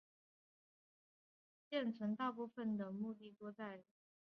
现存大部分的目多在白垩纪或之前就已出现。